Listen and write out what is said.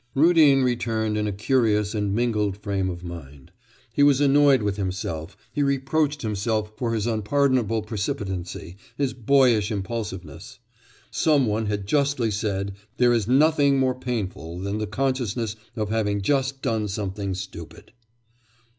Rudin returned in a curious and mingled frame of mind. He was annoyed with himself, he reproached himself for his unpardonable precipitancy, his boyish impulsiveness. Some one has justly said: there is nothing more painful than the consciousness of having just done something stupid.